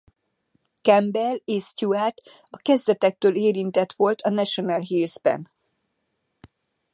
Campbell és Stewart a kezdetektől érintett volt a National Health-ben.